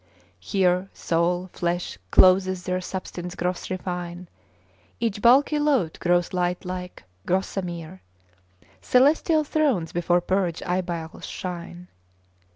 'Here soul, flesh, clothes their substance gross refine; Each bulky lout grows light like gossamere; Celestial thrones before purged eyeballs shine.